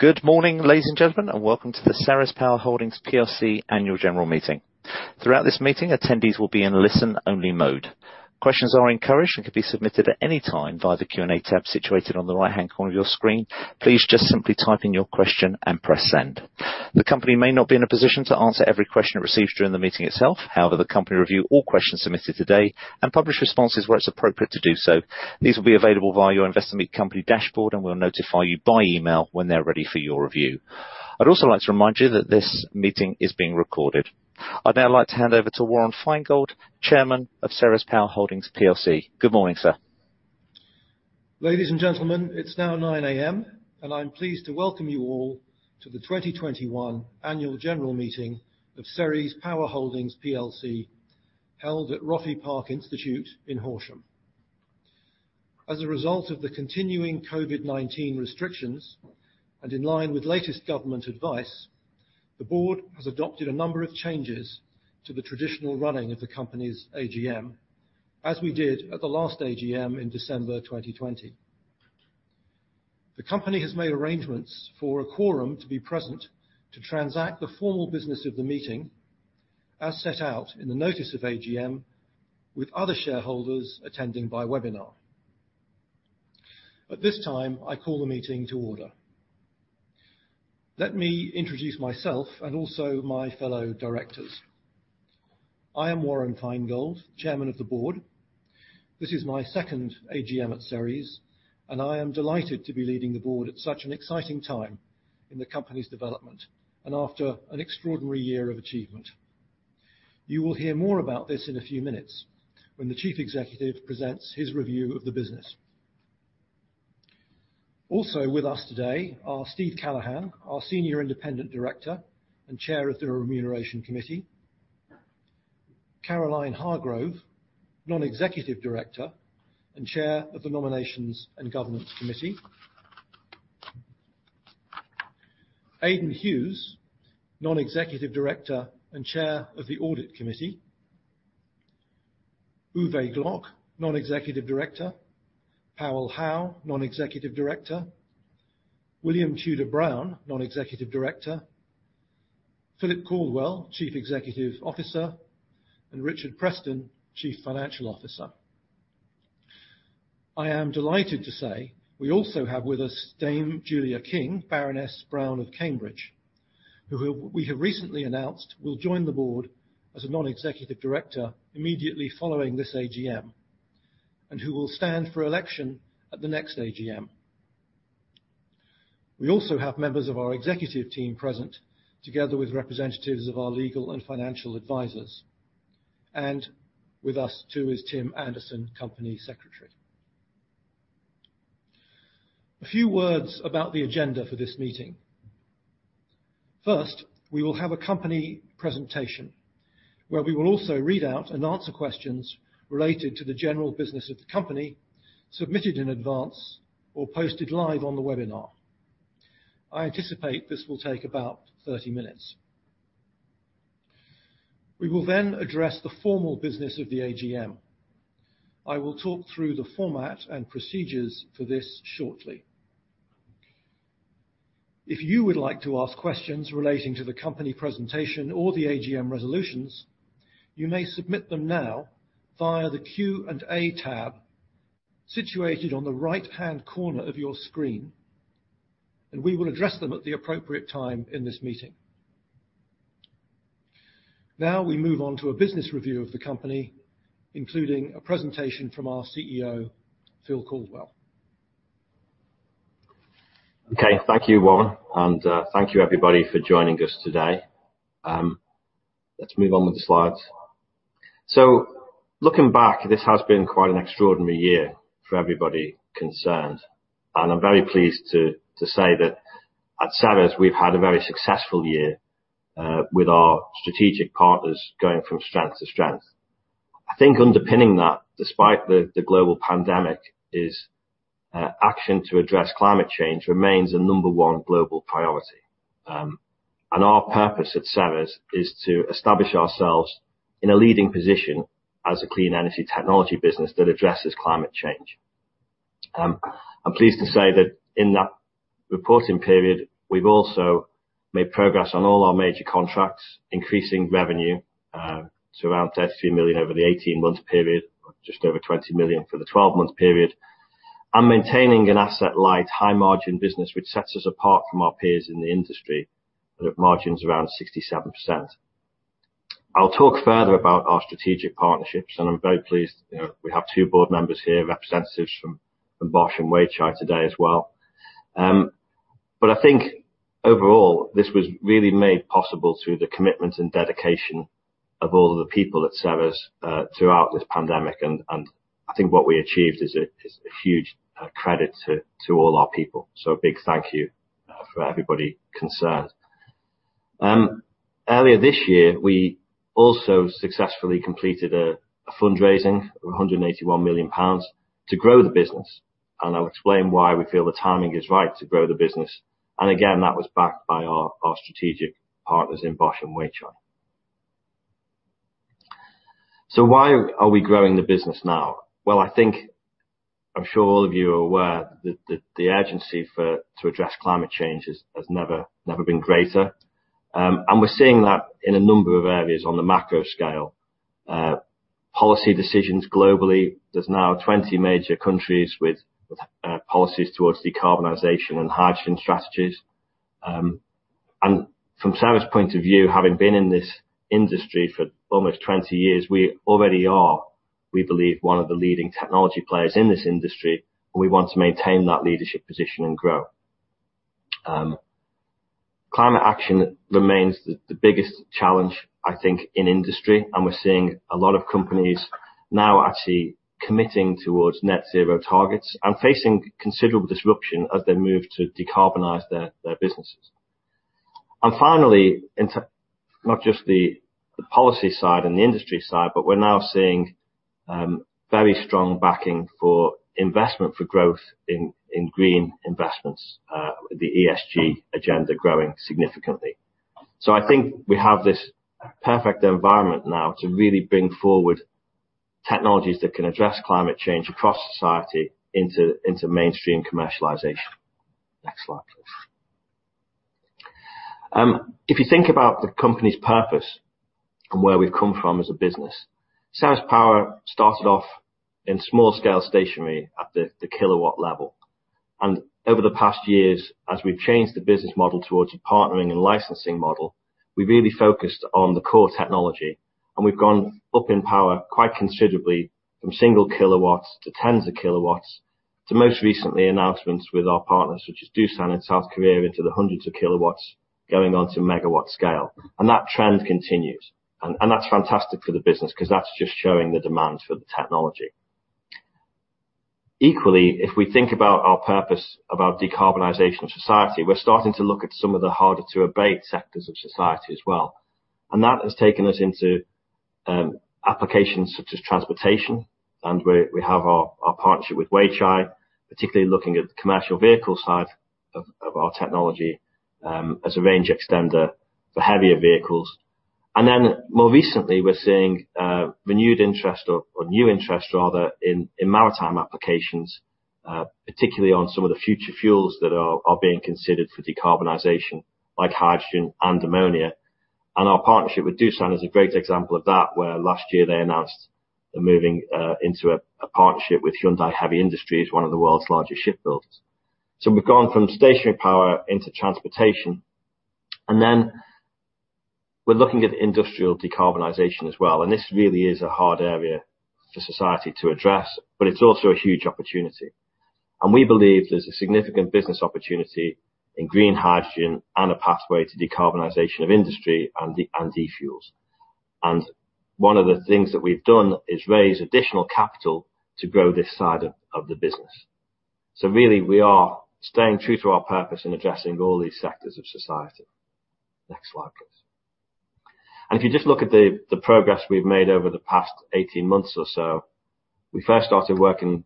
Good morning, ladies and gentlemen, and welcome to the Ceres Power Holdings plc Annual General Meeting. Throughout this meeting, attendees will be in listen-only mode. Questions are encouraged and can be submitted at any time via the Q&A tab situated on the right-hand corner of your screen. Please just simply type in your question and press send. The company may not be in a position to answer every question received during the meeting itself. The company review all questions submitted today and publish responses where it's appropriate to do so. These will be available via your Investment Company dashboard, and we'll notify you by email when they're ready for your review. I'd also like to remind you that this meeting is being recorded. I'd now like to hand over to Warren Finegold, Chairman of Ceres Power Holdings plc. Good morning, sir. Ladies and gentlemen, it's now 9:00 A.M., and I'm pleased to welcome you all to the 2021 Annual General Meeting of Ceres Power Holdings plc, held at Roffey Park Institute in Horsham. As a result of the continuing COVID-19 restrictions, and in line with the latest government advice, the board has adopted a number of changes to the traditional running of the company's AGM, as we did at the last AGM in December 2020. The company has made arrangements for a quorum to be present to transact the formal business of the meeting as set out in the notice of AGM with other shareholders attending by webinar. At this time, I call the meeting to order. Let me introduce myself and also my fellow directors. I am Warren Finegold, Chairman of the Board. This is my second AGM at Ceres, and I am delighted to be leading the Board at such an exciting time in the company's development and after an extraordinary year of achievement. You will hear more about this in a few minutes when the Chief Executive presents his review of the business. Also with us today are Steve Callaghan, our Senior Independent Director and Chair of the Remuneration Committee, Caroline Hargrove, Non-Executive Director and Chair of the Nominations and Governance Committee, Aidan Hughes, Non-Executive Director and Chair of the Audit Committee, Uwe Glock, Non-Executive Director, Haoran Hu, Non-Executive Director, William Tudor Brown, Non-Executive Director, Philip Caldwell, Chief Executive Officer, and Richard Preston, Chief Financial Officer. I am delighted to say we also have with us Dame Julia King, Baroness Brown of Cambridge, who we have recently announced will join the board as a non-executive director immediately following this AGM, and who will stand for election at the next AGM. We also have members of our executive team present, together with representatives of our legal and financial advisors. With us, too, is Tim Anderson, Company Secretary. A few words about the agenda for this meeting. First, we will have a company presentation where we will also read out and answer questions related to the general business of the company, submitted in advance or posted live on the webinar. I anticipate this will take about 30 minutes. We will then address the formal business of the AGM. I will talk through the format and procedures for this shortly. If you would like to ask questions relating to the company presentation or the AGM resolutions, you may submit them now via the Q&A tab situated on the right-hand corner of your screen, and we will address them at the appropriate time in this meeting. We move on to a business review of the company, including a presentation from our CEO, Phil Caldwell. Okay. Thank you, Warren, and thank you everybody for joining us today. Let's move on with the slides. Looking back, this has been quite an extraordinary year for everybody concerned, and I'm very pleased to say that at Ceres, we've had a very successful year with our strategic partners going from strength to strength. I think underpinning that, despite the global pandemic, is action to address climate change remains the number one global priority. Our purpose at Ceres is to establish ourselves in a leading position as a clean energy technology business that addresses climate change. I'm pleased to say that in that reporting period, we've also made progress on all our major contracts, increasing revenue to around 30 million over the 18-month period, just over 20 million for the 12-month period, and maintaining an asset-light, high-margin business which sets us apart from our peers in the industry that have margins around 67%. I'll talk further about our strategic partnerships, and I'm very pleased we have two board members here, representatives from Bosch and Weichai today as well. I think overall, this was really made possible through the commitment and dedication of all of the people at Ceres throughout this pandemic, and I think what we achieved is a huge credit to all our people. A big thank you for everybody concerned. Earlier this year, we also successfully completed a fundraising of 181 million pounds to grow the business. I'll explain why we feel the timing is right to grow the business. Again, that was backed by our strategic partners in Bosch and Weichai. Why are we growing the business now? Well, I think I'm sure all of you are aware that the urgency to address climate change has never been greater. We're seeing that in a number of areas on the macro scale. Policy decisions globally, there's now 20 major countries with policies towards decarbonization and hydrogen strategies. From Ceres' point of view, having been in this industry for almost 20 years, we already are, we believe, one of the leading technology players in this industry. We want to maintain that leadership position and grow. Climate action remains the biggest challenge, I think, in industry, we're seeing a lot of companies now actually committing towards net zero targets and facing considerable disruption as they move to decarbonize their businesses. Finally, not just the policy side and the industry side, but we're now seeing very strong backing for investment for growth in green investments with the ESG agenda growing significantly. I think we have this perfect environment now to really bring forward technologies that can address climate change across society into mainstream commercialization. Next slide, please. If you think about the company's purpose and where we've come from as a business, Ceres Power started off in small scale stationary at the kilowatt level. Over the past years, as we've changed the business model towards a partnering and licensing model, we really focused on the core technology, and we've gone up in power quite considerably from single kilowatts to tens of kilowatts, to most recently announcements with our partners such as Doosan in South Korea into the hundreds of kilowatts, going on to megawatt scale. That trend continues, and that's fantastic for the business because that's just showing the demand for the technology. Equally, if we think about our purpose, about decarbonization of society, we're starting to look at some of the harder to abate sectors of society as well. That has taken us into applications such as transportation, and we have our partnership with Weichai, particularly looking at the commercial vehicle side of our technology as a range extender for heavier vehicles. More recently, we're seeing renewed interest or new interest rather, in maritime applications, particularly on some of the future fuels that are being considered for decarbonization like hydrogen and ammonia. Our partnership with Doosan is a great example of that, where last year they announced they're moving into a partnership with Hyundai Heavy Industries, one of the world's largest shipbuilders. We've gone from stationary power into transportation, and then we're looking at industrial decarbonization as well, and this really is a hard area for society to address, but it's also a huge opportunity. We believe there's a significant business opportunity in green hydrogen and a pathway to decarbonization of industry and e-fuels. One of the things that we've done is raise additional capital to grow this side of the business. Really, we are staying true to our purpose in addressing all these sectors of society. Next slide, please. If you just look at the progress we've made over the past 18 months or so, we first started working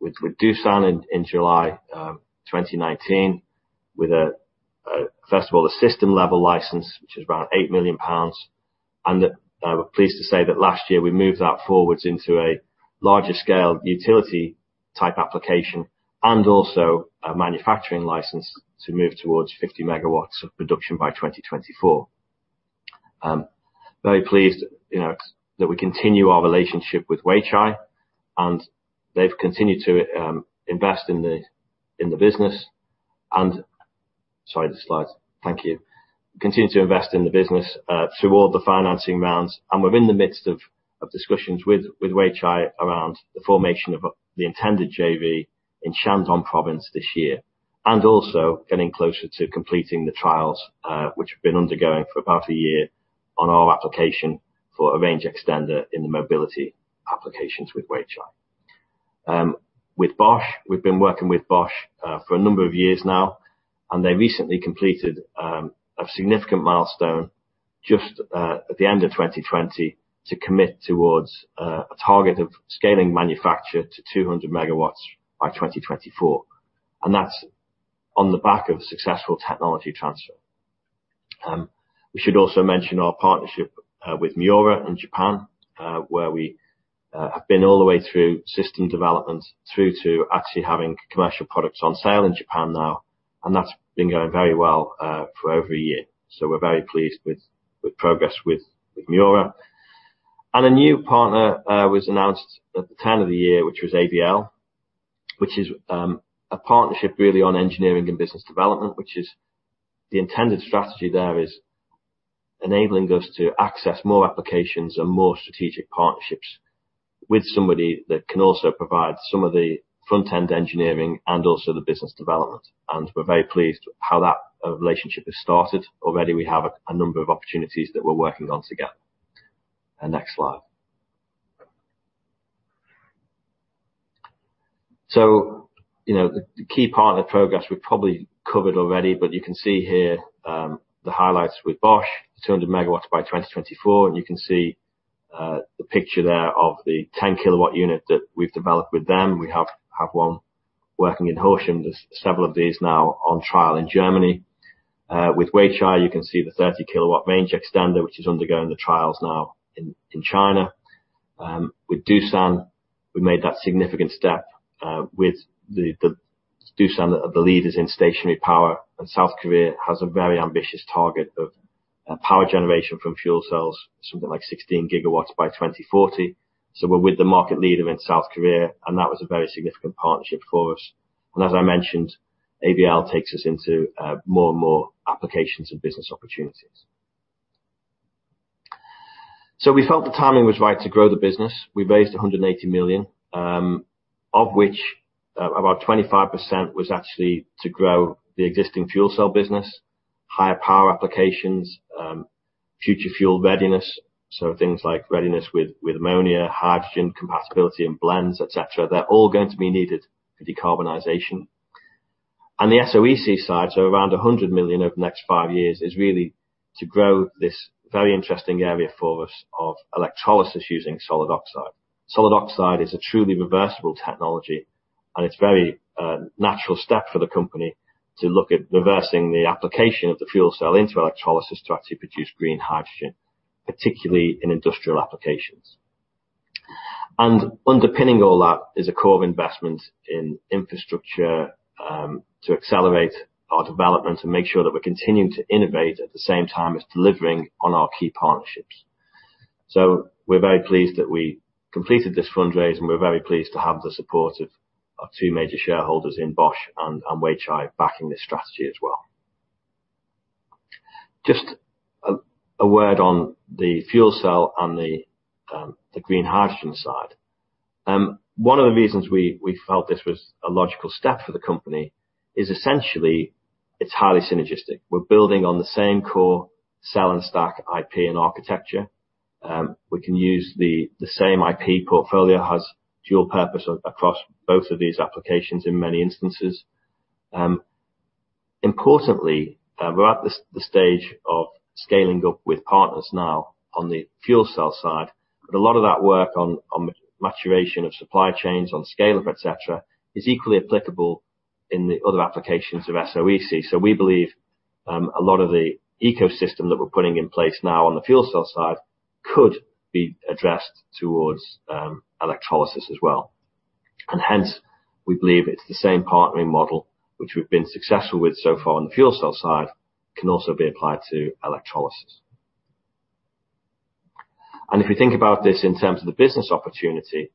with Doosan in July 2019 with, first of all, a system level license, which is about 8 million pounds. We're pleased to say that last year, we moved that forwards into a larger scale utility type application and also a manufacturing license to move towards 50 MW of production by 2024. Very pleased that we continue our relationship with Weichai, and they've continued to invest in the business. Sorry, the slides. Thank you. They continue to invest in the business through all the financing rounds, and we're in the midst of discussions with Weichai around the formation of the intended JV in Shandong province this year. Also getting closer to completing the trials, which have been undergoing for about a year on our application for a range extender in the mobility applications with Weichai. With Bosch, we've been working with Bosch for a number of years now, and they recently completed a significant milestone just at the end of 2020 to commit towards a target of scaling manufacture to 200 MW by 2024. That's on the back of successful technology transfer. We should also mention our partnership with Miura in Japan, where we have been all the way through system development through to actually having commercial products on sale in Japan now, and that's been going very well for over a year. We're very pleased with the progress with Miura. A new partner was announced at the turn of the year, which was AVL, which is a partnership really on engineering and business development. The intended strategy there is enabling us to access more applications and more strategic partnerships with somebody that can also provide some of the front-end engineering and also the business development. We're very pleased with how that relationship has started. Already, we have a number of opportunities that we're working on together. Next slide. The key part of the progress we've probably covered already, but you can see here, the highlights with Bosch, 200 MW by 2024. You can see the picture there of the 10 kW unit that we've developed with them. We have one working in Horsham. There's several of these now on trial in Germany. With Weichai, you can see the 30 kW range extender, which is undergoing the trials now in China. With Doosan, we made that significant step with Doosan that are the leaders in stationary power. South Korea has a very ambitious target of power generation from fuel cells, something like 16 GW by 2040. We're with the market leader in South Korea. That was a very significant partnership for us. As I mentioned, AVL takes us into more and more applications and business opportunities. We felt the timing was right to grow the business. We raised 180 million, of which about 25% was actually to grow the existing fuel cell business, higher power applications, future fuel readiness. Things like readiness with ammonia, hydrogen compatibility and blends, et cetera. They're all going to be needed for decarbonization. The SOEC side, around 100 million over the next five years is really to grow this very interesting area for us of electrolysis using solid oxide. Solid oxide is a truly reversible technology, and it's a very natural step for the company to look at reversing the application of the fuel cell into electrolysis to actually produce green hydrogen, particularly in industrial applications. Underpinning all that is a core of investment in infrastructure, to accelerate our development and make sure that we're continuing to innovate at the same time as delivering on our key partnerships. We're very pleased that we completed this fundraising, and we're very pleased to have the support of our two major shareholders in Bosch and Weichai backing this strategy as well. Just a word on the fuel cell and the green hydrogen side. One of the reasons we felt this was a logical step for the company is essentially it's highly synergistic. We're building on the same core cell and stack IP and architecture. We can use the same IP portfolio, has dual purpose across both of these applications in many instances. Importantly, we're at the stage of scaling up with partners now on the fuel cell side, but a lot of that work on the maturation of supply chains on scale up, et cetera, is equally applicable in the other applications of SOEC. We believe a lot of the ecosystem that we're putting in place now on the fuel cell side could be addressed towards electrolysis as well. Hence, we believe it's the same partnering model which we've been successful with so far on the fuel cell side can also be applied to electrolysis. If you think about this in terms of the business opportunity,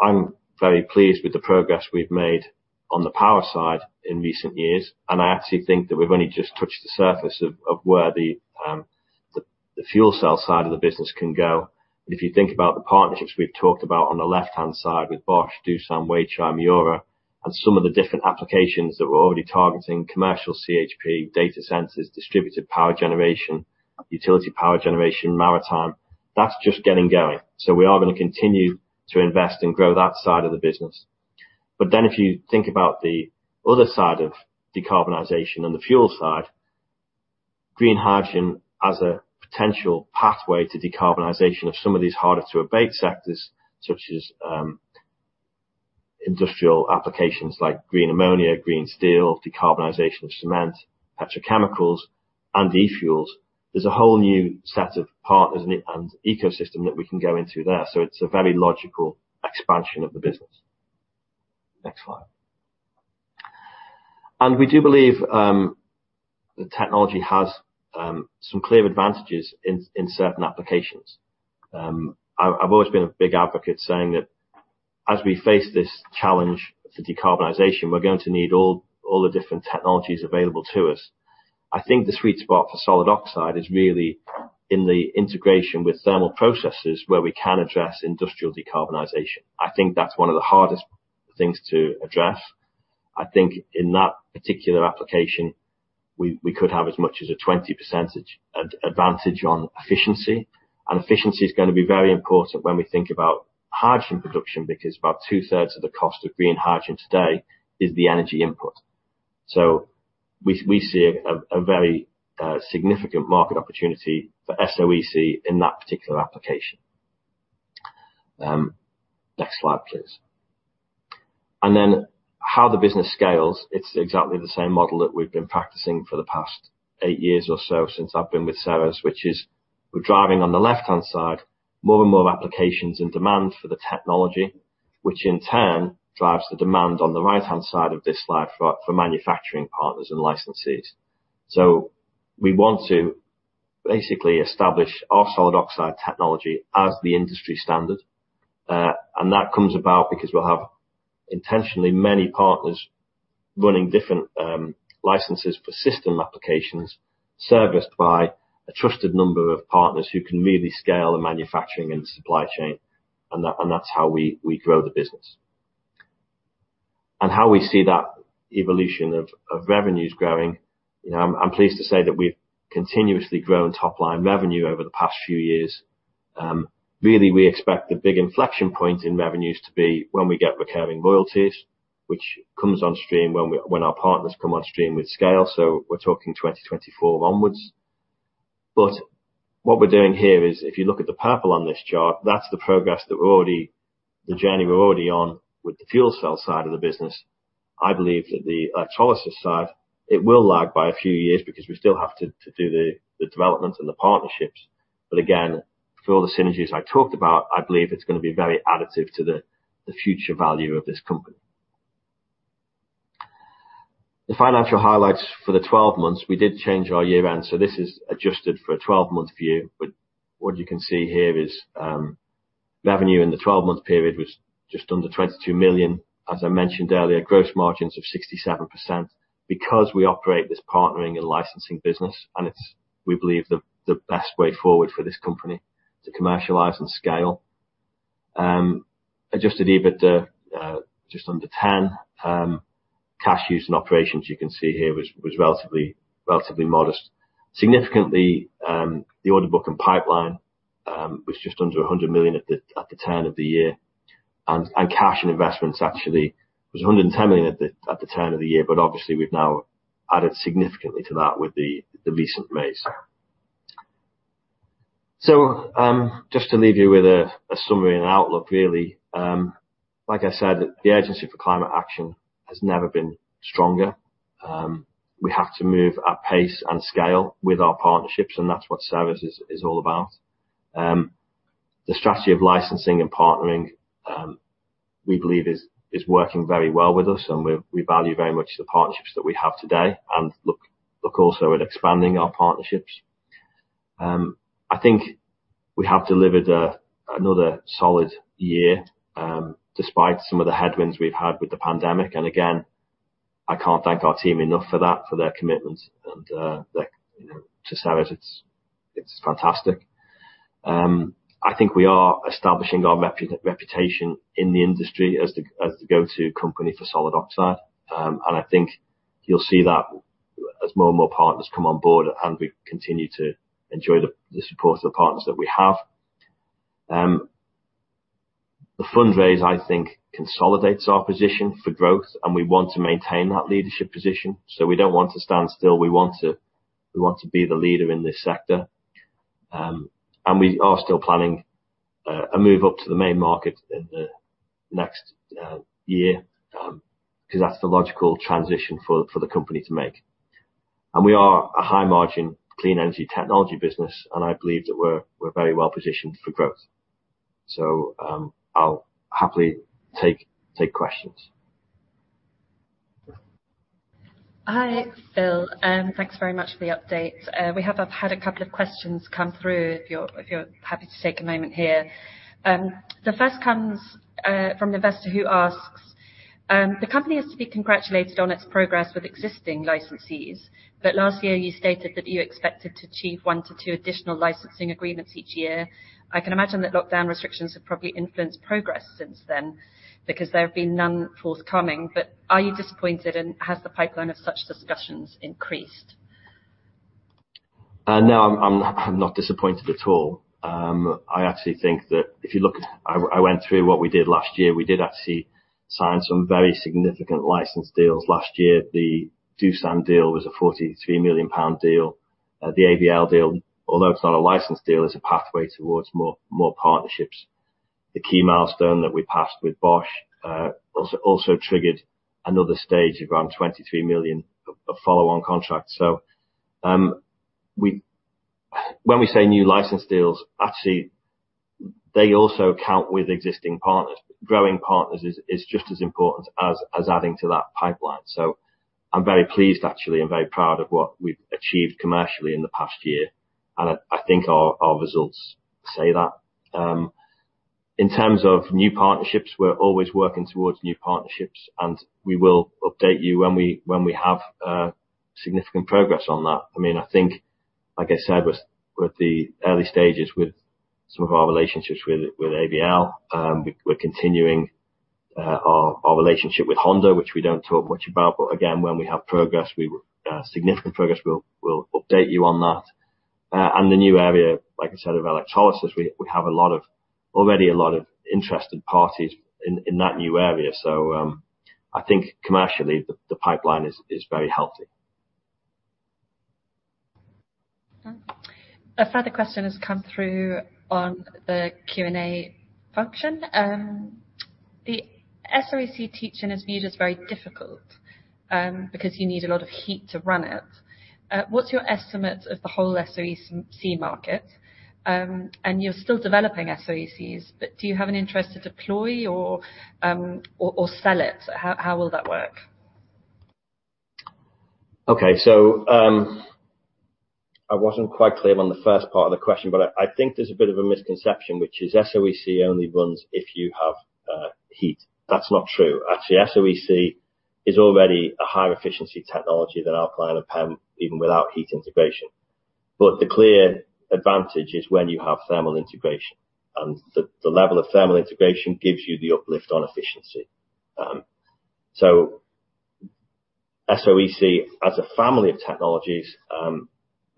I'm very pleased with the progress we've made on the power side in recent years, and I actually think that we've only just touched the surface of where the fuel cell side of the business can go. If you think about the partnerships we've talked about on the left-hand side with Bosch, Doosan, Weichai, Miura, and some of the different applications that we're already targeting, commercial CHP, data centers, distributed power generation, utility power generation, maritime, that's just getting going. We are going to continue to invest and grow that side of the business. If you think about the other side of decarbonization and the fuel side, green hydrogen as a potential pathway to decarbonization of some of these harder to abate sectors, such as industrial applications like green ammonia, green steel, decarbonization of cement, petrochemicals, and e-fuels. There's a whole new set of partners and ecosystem that we can go into there. It's a very logical expansion of the business. Next slide. We do believe the technology has some clear advantages in certain applications. I've always been a big advocate saying that as we face this challenge to decarbonization, we're going to need all the different technologies available to us. I think the sweet spot for solid oxide is really in the integration with thermal processes where we can address industrial decarbonization. I think that's one of the hardest things to address. I think in that particular application, we could have as much as a 20% advantage on efficiency. Efficiency is going to be very important when we think about hydrogen production, because about two-thirds of the cost of green hydrogen today is the energy input. We see a very significant market opportunity for SOEC in that particular application. Next slide, please. How the business scales, it's exactly the same model that we've been practicing for the past eight years or so since I've been with Ceres, which is we're driving on the left-hand side, more and more applications and demand for the technology, which in turn drives the demand on the right-hand side of this slide for manufacturing partners and licensees. We want to basically establish our solid oxide technology as the industry standard. That comes about because we'll have intentionally many partners running different licenses for system applications, serviced by a trusted number of partners who can really scale the manufacturing and supply chain, and that's how we grow the business. How we see that evolution of revenues growing, I'm pleased to say that we've continuously grown top line revenue over the past few years. Really, we expect the big inflection point in revenues to be when we get recurring royalties, which comes on stream when our partners come on stream with scale. We're talking 2024 onwards. What we're doing here is if you look at the purple on this chart, that's the progress, the journey we're already on with the fuel cell side of the business. I believe that the electrolysis side, it will lag by a few years because we still have to do the development and the partnerships. Again, with all the synergies I talked about, I believe it's going to be very additive to the future value of this company. The financial highlights for the 12 months, we did change our year end, this is adjusted for a 12-month view. What you can see here is revenue in the 12-month period was just under 22 million. As I mentioned earlier, gross margins of 67% because we operate this partnering and licensing business, it's, we believe, the best way forward for this company to commercialize and scale. Adjusted EBITDA, just under 10 million. Cash used in operations, you can see here, was relatively modest. Significantly, the order book and pipeline was just under 100 million at the turn of the year. Cash and investments actually was 110 million at the turn of the year, but obviously, we've now added significantly to that with the recent raise. Just to leave you with a summary and outlook, really. Like I said, the urgency for climate action has never been stronger. We have to move at pace and scale with our partnerships, and that's what Ceres is all about. The strategy of licensing and partnering, we believe, is working very well with us, and we value very much the partnerships that we have today and look also at expanding our partnerships. I think we have delivered another solid year, despite some of the headwinds we've had with the pandemic. Again, I can't thank our team enough for that, for their commitment to Ceres. It's fantastic. I think we are establishing our reputation in the industry as the go-to company for solid oxide. I think you'll see that as more and more partners come on board and we continue to enjoy the support of the partners that we have. The fundraise, I think, consolidates our position for growth, and we want to maintain that leadership position. We don't want to stand still. We want to be the leader in this sector. We are still planning a move up to the main market in the next year, because that's the logical transition for the company to make. We are a high margin, clean energy technology business, and I believe that we're very well positioned for growth. I'll happily take questions. Hi, Phil. Thanks very much for the update. We have had a couple of questions come through, if you're happy to take a moment here. The first comes from investor who asks, the company is to be congratulated on its progress with existing licensees, but last year you stated that you expected to achieve one to two additional licensing agreements each year. I can imagine that lockdown restrictions have probably influenced progress since then because there have been none forthcoming. Are you disappointed, and has the pipeline of such discussions increased? No, I'm not disappointed at all. I actually think that if you look at what we did last year. We did actually sign some very significant license deals last year. The Doosan deal was a 43 million pound deal. The AVL deal, although it's not a license deal, is a pathway towards more partnerships. The key milestone that we passed with Bosch also triggered another stage of around 23 million, a follow-on contract. When we say new license deals, actually, they also count with existing partners. Growing partners is just as important as adding to that pipeline. I'm very pleased, actually, I'm very proud of what we've achieved commercially in the past year, and I think our results say that. In terms of new partnerships, we're always working towards new partnerships, and we will update you when we have significant progress on that. I think, like I said, with the early stages with some of our relationships with AVL, we're continuing our relationship with Honda, which we don't talk much about, but again, when we have significant progress, we'll update you on that. The new area, like I said, of electrolysis, we have already a lot of interested parties in that new area. I think commercially, the pipeline is very healthy. A further question has come through on the Q&A function. The SOEC tech in its view is very difficult because you need a lot of heat to run it. What's your estimate of the whole SOEC market? You're still developing SOECs, but do you have an interest to deploy or sell it? How will that work? I wasn't quite clear on the first part of the question. I think there is a bit of a misconception, which is SOEC only runs if you have heat. That is not true. Actually, SOEC is already a higher efficiency technology than alkaline or PEM, even without heat integration. The clear advantage is when you have thermal integration, and the level of thermal integration gives you the uplift on efficiency. SOEC, as a family of technologies,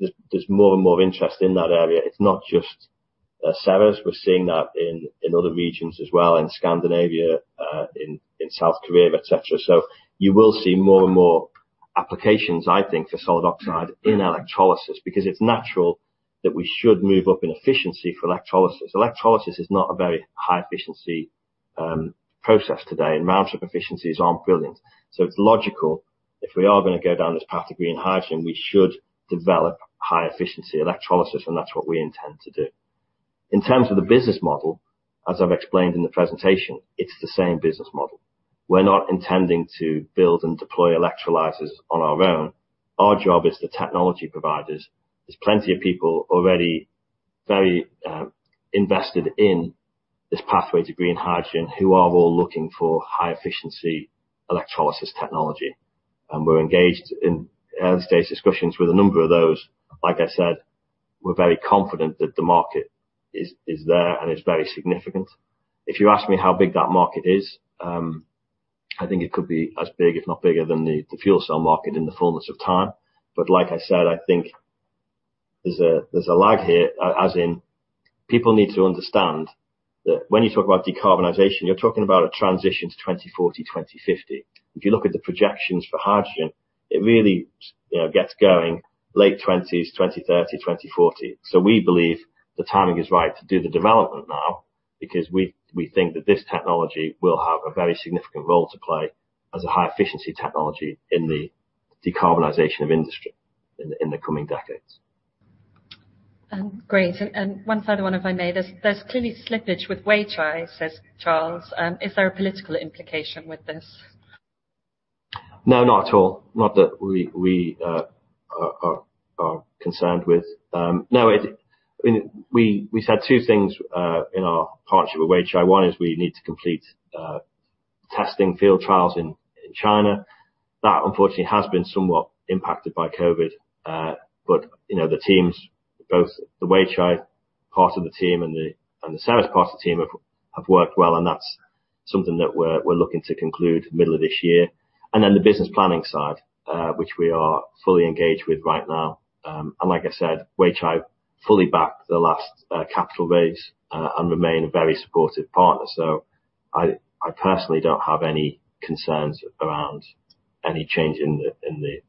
there is more and more interest in that area. It is not just at Ceres, we are seeing that in other regions as well, in Scandinavia, in South Korea, et cetera. You will see more and more applications, I think, for solid oxide in electrolysis, because it is natural that we should move up in efficiency for electrolysis. Electrolysis is not a very high efficiency process today. Mount up efficiencies are not brilliant. It's logical if we are going to go down this path of green hydrogen, we should develop high efficiency electrolysis, and that's what we intend to do. In terms of the business model, as I've explained in the presentation, it's the same business model. We're not intending to build and deploy electrolyzers on our own. Our job is the technology providers. There's plenty of people already very invested in this pathway to green hydrogen who are all looking for high efficiency electrolysis technology, and we're engaged in early stage discussions with a number of those. Like I said, we're very confident that the market is there and is very significant. If you ask me how big that market is, I think it could be as big, if not bigger, than the fuel cell market in the fullness of time. Like I said, I think there's a lag here, as in people need to understand that when you talk about decarbonization, you're talking about a transition to 2040, 2050. If you look at the projections for hydrogen, it really gets going late 2020s, 2030, 2040. We believe the timing is right to do the development now because we think that this technology will have a very significant role to play as a high efficiency technology in the decarbonization of industry in the coming decades. Great. One final one if I may. "There's clearly slippage with Weichai," says Charles. "Is there a political implication with this? No, not at all. Not that we are concerned with. No. We said two things in our partnership with Weichai. One is we need to complete testing field trials in China. That, unfortunately, has been somewhat impacted by COVID. The teams, both the Weichai part of the team and the Ceres part of the team have worked well, and that's something that we're looking to conclude middle of this year. Then the business planning side, which we are fully engaged with right now. Like I said, Weichai fully backed the last capital raise and remain a very supportive partner. I personally don't have any concerns around any change in the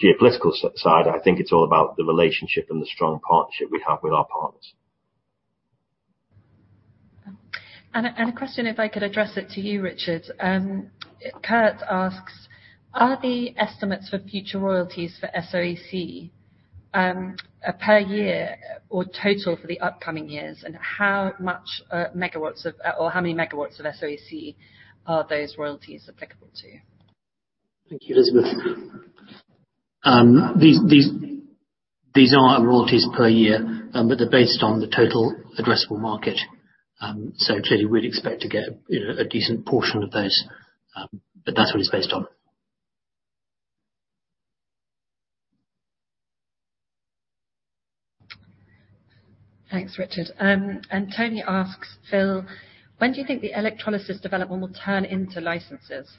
geopolitical side. I think it's all about the relationship and the strong partnership we have with our partners. A question, if I could address it to you, Richard. Gareth asks, "Are the estimates for future royalties for SOEC per year or total for the upcoming years? How many megawatts of SOEC are those royalties applicable to? Thank you, Elizabeth. These are royalties per year, but they're based on the total addressable market. Clearly, we'd expect to get a decent portion of those. That's what it's based on. Thanks, Richard. Tony asks, "Phil, when do you think the electrolysis development will turn into licenses?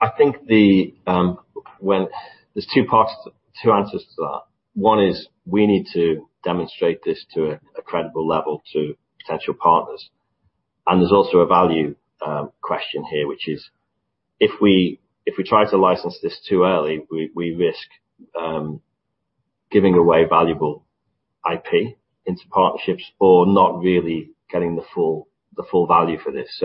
There's two answers to that. One is we need to demonstrate this to a credible level to potential partners. There's also a value question here, which is if we try to license this too early, we risk giving away valuable IP into partnerships or not really getting the full value for this.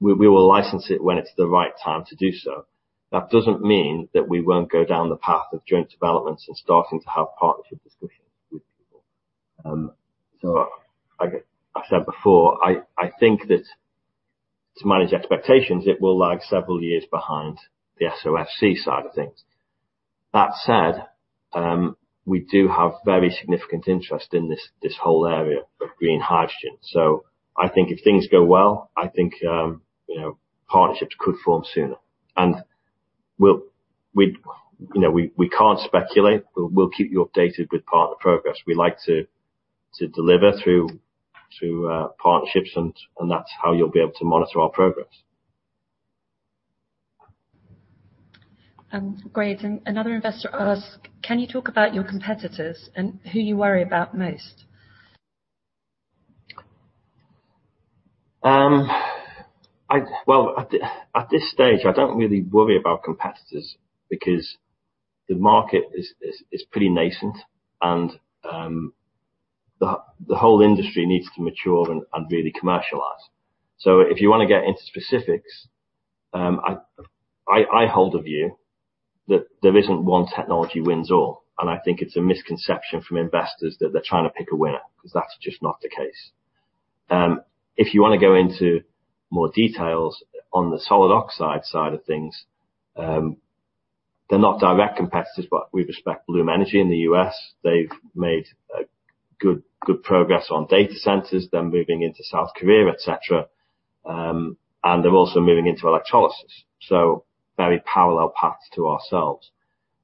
We will license it when it's the right time to do so. That doesn't mean that we won't go down the path of joint developments and starting to have partnership discussions with people. Like I said before, I think that to manage expectations, it will lag several years behind the SOFC side of things. That said, we do have very significant interest in this whole area of green hydrogen. I think if things go well, I think partnerships could form sooner. We can't speculate, but we'll keep you updated with partner progress. We like to deliver through partnerships, and that's how you'll be able to monitor our progress. Great. Another investor asks, "Can you talk about your competitors and who you worry about most? Well, at this stage, I don't really worry about competitors because the market is pretty nascent, and the whole industry needs to mature and really commercialize. If you want to get into specifics, I hold a view that there isn't one technology wins all, and I think it's a misconception from investors that they're trying to pick a winner, because that's just not the case. If you want to go into more details on the solid oxide side of things, they're not direct competitors, but we respect Bloom Energy in the U.S. They've made good progress on data centers, they're moving into South Korea, et cetera, and they're also moving into electrolysis. Very parallel path to ourselves.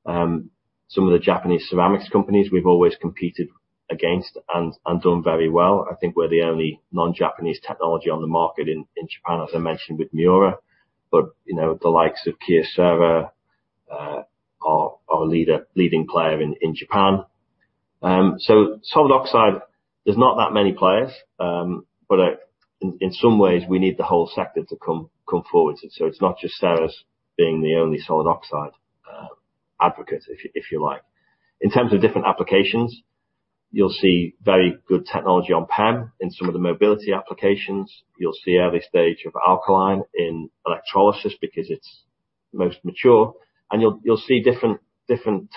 Some of the Japanese ceramics companies, we've always competed against and done very well. I think we're the only non-Japanese technology on the market in Japan, as I mentioned, with Miura. The likes of Kyocera are our leading player in Japan. Solid oxide, there's not that many players. In some ways, we need the whole sector to come forward. It's not just Ceres being the only solid oxide advocates, if you like. In terms of different applications, you'll see very good technology on PEM in some of the mobility applications. You'll see early stage of alkaline in electrolysis because it's most mature, and you'll see different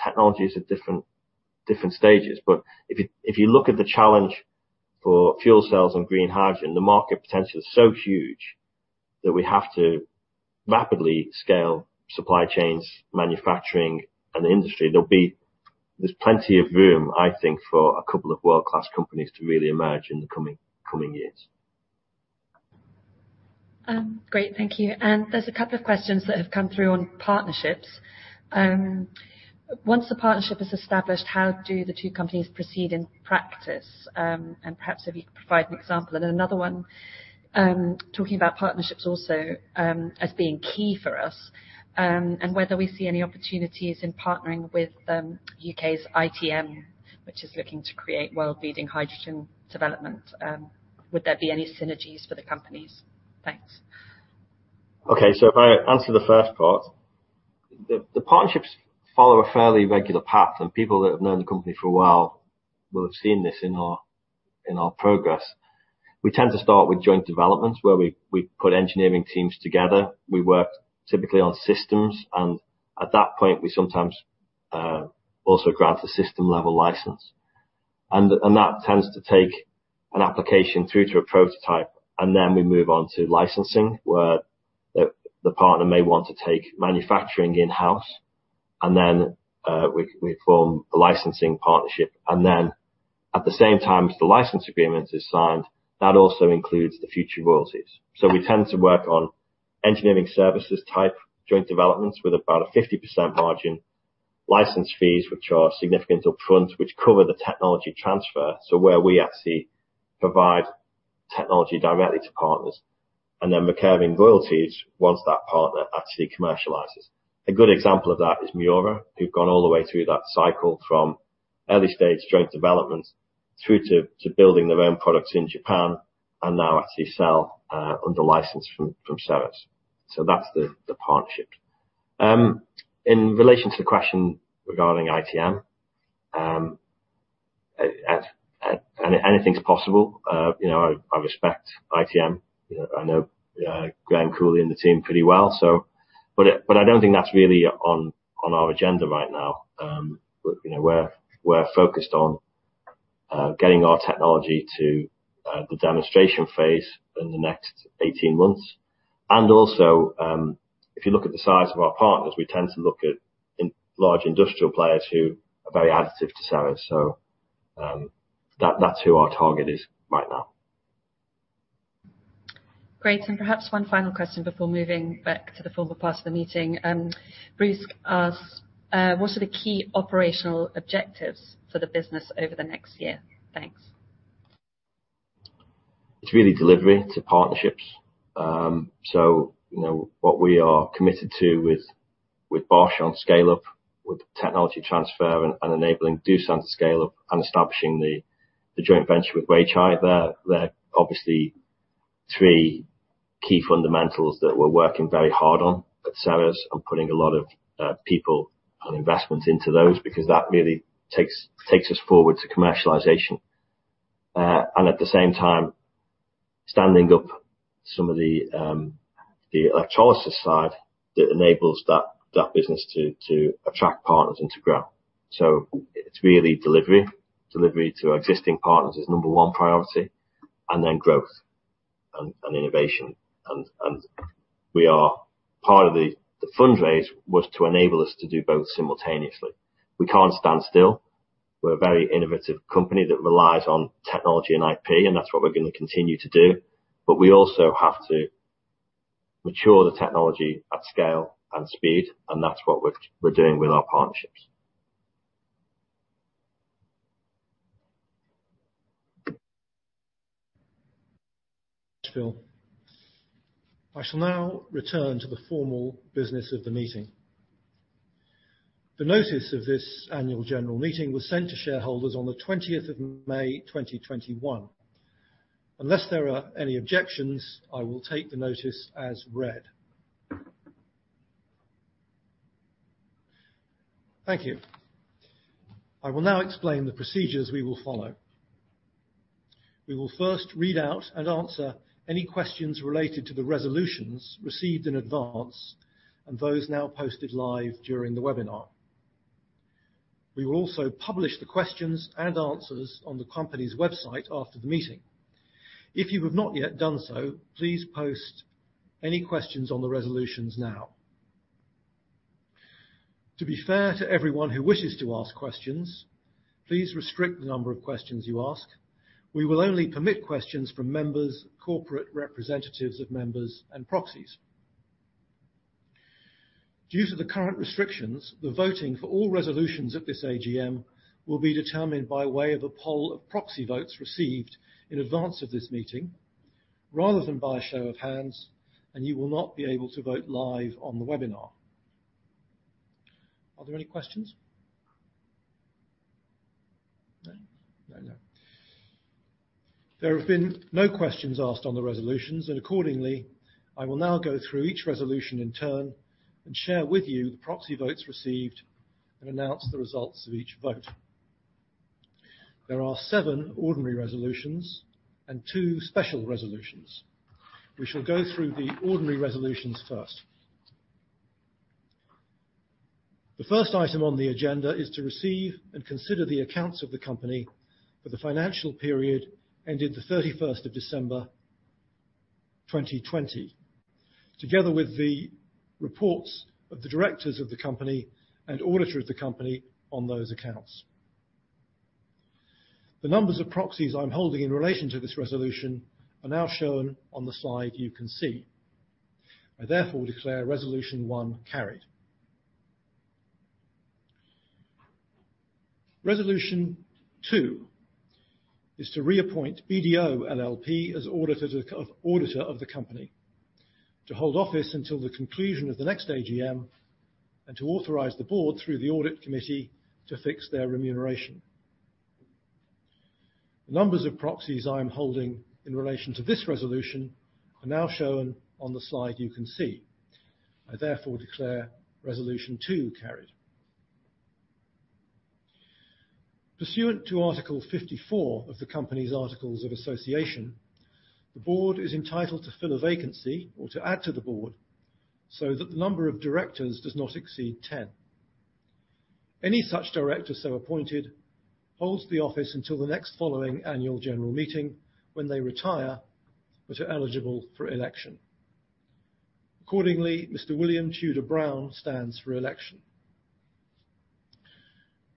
technologies at different stages. If you look at the challenge for fuel cells and green hydrogen, the market potential is so huge that we have to rapidly scale supply chains, manufacturing, and industry. There's plenty of room, I think, for a couple of world-class companies to really emerge in the coming years. Great. Thank you. There's a couple of questions that have come through on partnerships. Once the partnership is established, how do the two companies proceed in practice? Perhaps if you could provide an example. Another one, talking about partnerships also as being key for us, whether we see any opportunities in partnering with U.K.'s ITM, which is looking to create world-leading hydrogen development. Would there be any synergies for the companies? Thanks. Okay. If I answer the first part, the partnerships follow a fairly regular pattern. People that have known the company for a while will have seen this in our progress. We tend to start with joint developments where we put engineering teams together. We work typically on systems, and at that point, we sometimes also grant a system-level license. That tends to take an application through to a prototype, and then we move on to licensing, where the partner may want to take manufacturing in-house, and then we form a licensing partnership. At the same time as the license agreement is signed, that also includes the future royalties. We tend to work on engineering services type joint developments with about a 50% margin, license fees which are significant upfront, which cover the technology transfer, so where we actually provide technology directly to partners, and then we carry in royalties once that partner actually commercializes. A good example of that is Miura, who've gone all the way through that cycle from early stage joint developments through to building their own products in Japan and now actually sell under license from Ceres. That's the partnership. In relation to the question regarding ITM, anything's possible. I respect ITM. I know Graham Cooley and the team pretty well. I don't think that's really on our agenda right now. We're focused on getting our technology to the demonstration phase in the next 18 months. Also, if you look at the size of our partners, we tend to look at large industrial players who are very additive to Ceres, so that's who our target is right now. Great. Perhaps one final question before moving back to the formal part of the meeting. Bruce asks, "What are the key operational objectives for the business over the next year? Thanks. It's really delivery to partnerships. What we are committed to with Bosch on scale up, with technology transfer and enabling Doosan to scale up and establishing the joint venture with Weichai. They're obviously three key fundamentals that we're working very hard on at Ceres and putting a lot of people and investment into those because that really takes us forward to commercialization. At the same time, standing up some of the electrolysis side that enables that business to attract partners and to grow. It's really delivery. Delivery to existing partners is number one priority, and then growth and innovation. Part of the fundraise was to enable us to do both simultaneously. We can't stand still. We're a very innovative company that relies on technology and IP, and that's what we're going to continue to do. We also have to mature the technology at scale and speed, and that's what we're doing with our partnerships. I shall now return to the formal business of the meeting. The notice of this annual general meeting was sent to shareholders on the 20th of May 2021. Unless there are any objections, I will take the notice as read. Thank you. I will now explain the procedures we will follow. We will first read out and answer any questions related to the resolutions received in advance and those now posted live during the webinar. We will also publish the questions and answers on the company's website after the meeting. If you have not yet done so, please post any questions on the resolutions now. To be fair to everyone who wishes to ask questions, please restrict the number of questions you ask. We will only permit questions from members, corporate representatives of members, and proxies. Due to the current restrictions, the voting for all resolutions at this AGM will be determined by way of a poll of proxy votes received in advance of this meeting, rather than by a show of hands, and you will not be able to vote live on the webinar. Are there any questions? No. There have been no questions asked on the resolutions, and accordingly, I will now go through each resolution in turn and share with you the proxy votes received and announce the results of each vote. There are seven ordinary resolutions and two special resolutions. We shall go through the ordinary resolutions first. The 1st item on the agenda is to receive and consider the accounts of the company for the financial period ended the 31st of December 2020, together with the reports of the directors of the company and auditor of the company on those accounts. The numbers of proxies I'm holding in relation to this resolution are now shown on the slide you can see. I therefore declare resolution one carried. Resolution two is to reappoint BDO LLP as auditor of the company to hold office until the conclusion of the next AGM and to authorize the board through the Audit Committee to fix their remuneration. The numbers of proxies I am holding in relation to this resolution are now shown on the slide you can see. I therefore declare resolution two carried. Pursuant to Article 54 of the company's articles of association, the board is entitled to fill a vacancy or to add to the board so that the number of directors does not exceed 10. Any such director so appointed holds the office until the next following annual general meeting when they retire, but are eligible for election. Accordingly, Mr. William Tudor Brown stands for election.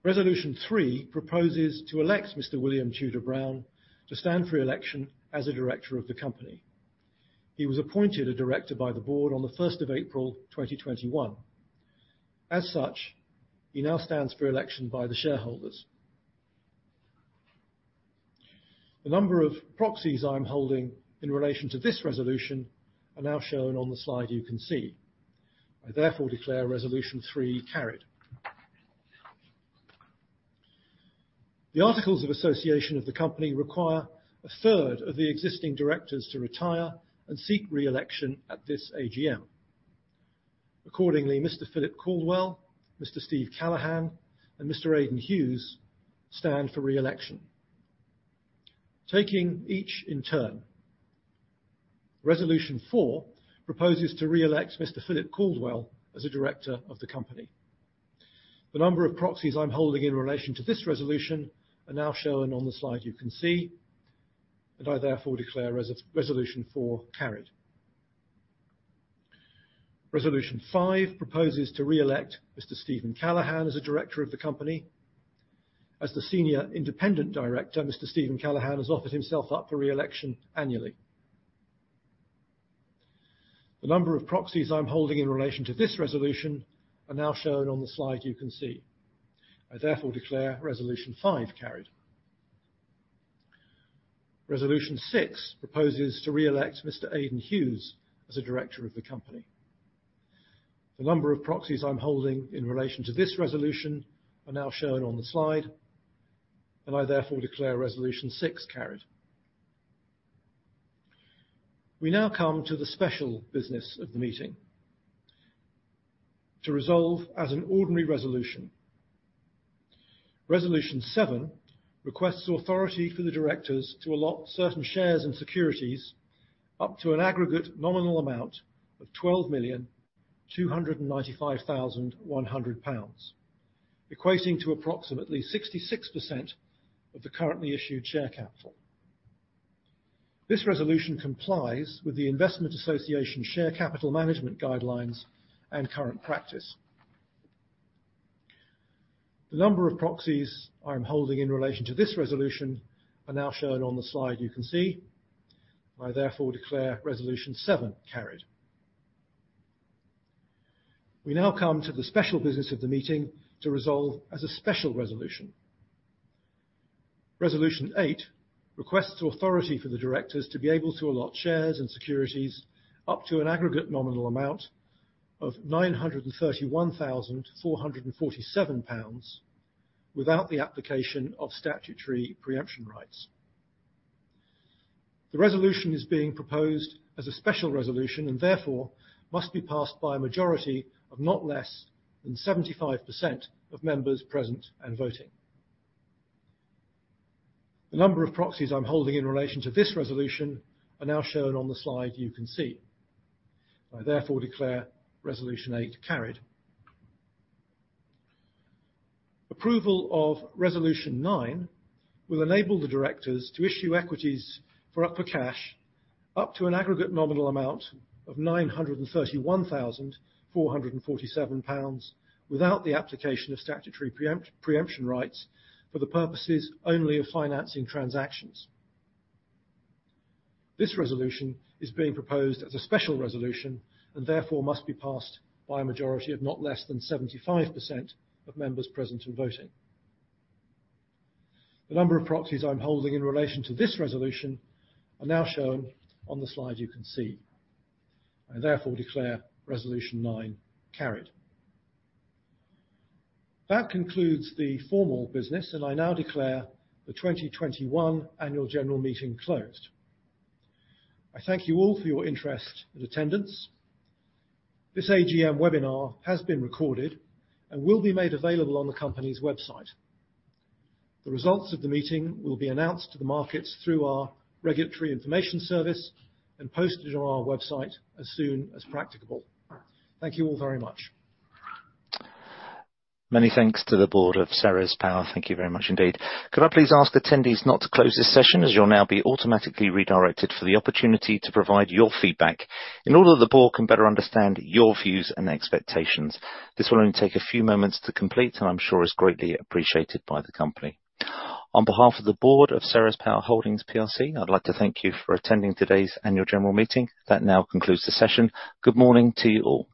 Resolution three proposes to elect Mr. William Tudor Brown to stand for election as a director of the company. He was appointed a director by the board on the 1st of April 2021. As such, he now stands for election by the shareholders. The number of proxies I'm holding in relation to this resolution are now shown on the slide you can see. I therefore declare Resolution three carried. The articles of association of the company require a third of the existing directors to retire and seek re-election at this AGM. Accordingly, Mr. Philip Caldwell, Mr. Steve Callaghan, and Mr. Aidan Hughes stand for re-election. Taking each in turn. Resolution four proposes to re-elect Mr. Philip Caldwell as a director of the company. The number of proxies I'm holding in relation to this resolution are now shown on the slide you can see. I therefore declare resolution four carried. Resolution five proposes to re-elect Mr. Steve Callaghan as a director of the company. As the senior independent director, Mr. Steve Callaghan has offered himself up for re-election annually. The number of proxies I'm holding in relation to this resolution are now shown on the slide you can see. I therefore declare resolution five carried. Resolution six proposes to re-elect Mr. Aidan Hughes as a director of the company. The number of proxies I'm holding in relation to this resolution are now shown on the slide. I therefore declare resolution six carried. We now come to the special business of the meeting. To resolve as an ordinary resolution. Resolution seven requests authority for the directors to allot certain shares in securities up to an aggregate nominal amount of 12,295,100 pounds, equating to approximately 66% of the currently issued share capital. This resolution complies with The Investment Association share capital management guidelines and current practice. The number of proxies I'm holding in relation to this resolution are now shown on the slide you can see. I therefore declare resolution seven carried. We now come to the special business of the meeting to resolve as a special resolution. Resolution eight requests authority for the directors to be able to allot shares and securities up to an aggregate nominal amount of 931,447 pounds without the application of statutory preemption rights. The resolution is being proposed as a special resolution and therefore must be passed by a majority of not less than 75% of members present and voting. The number of proxies I'm holding in relation to this resolution are now shown on the slide you can see. I therefore declare resolution eight carried. Approval of resolution nine will enable the directors to issue equities for cash up to an aggregate nominal amount of GBP 931,447 without the application of statutory preemption rights for the purposes only of financing transactions. This resolution is being proposed as a special resolution and therefore must be passed by a majority of not less than 75% of members present and voting. The number of proxies I'm holding in relation to this resolution are now shown on the slide you can see. I therefore declare resolution nine carried. That concludes the formal business. I now declare the 2021 annual general meeting closed. I thank you all for your interest and attendance. This AGM webinar has been recorded and will be made available on the company's website. The results of the meeting will be announced to the markets through our regulatory information service and posted on our website as soon as practicable. Thank you all very much. Many thanks to the board of Ceres Power. Thank you very much indeed. Could I please ask attendees not to close this session as you'll now be automatically redirected for the opportunity to provide your feedback in order the board can better understand your views and expectations. This will only take a few moments to complete, and I'm sure is greatly appreciated by the company. On behalf of the board of Ceres Power Holdings plc, I'd like to thank you for attending today's annual general meeting. That now concludes the session. Good morning to you all.